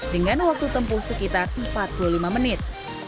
dengan waktu tempuh sekitar empat puluh lima menit